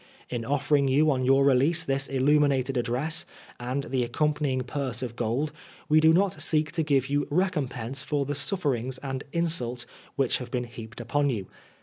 <* In offering you on your release this illuminated address,, and the accompanying purse of gold, we do not aeek to giye you recompense for the sufferings and insults which haye been heaped upon you.